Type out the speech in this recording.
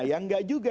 yang enggak juga